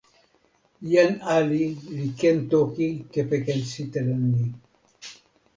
jan ali li ken toki kepeken sitelen ni.